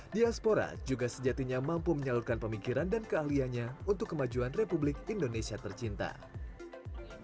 diaspora juga sejatinya mampu menyalurkan pemikiran dan keahliannya untuk kemajuan republik indonesia tercinta